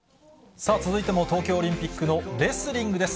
さあ、続いても東京オリンピックのレスリングです。